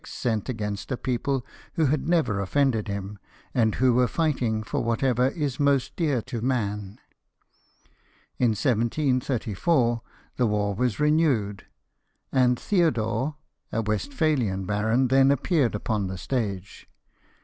sent against a people who had never offended him, and who were fighting for whatever is most dear to man. In 1734 the war was renewed ; and Theodore, a Westphalian baron, then appeared upon the stage.